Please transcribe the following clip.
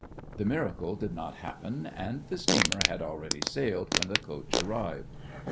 The miracle did not happen, and the steamer had already sailed when the coach arrived.